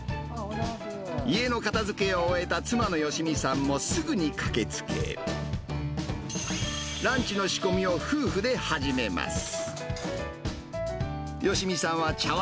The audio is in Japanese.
家の片づけを終えた妻の好美さんもすぐに駆けつけ、ランチの仕込みを夫婦で始めます。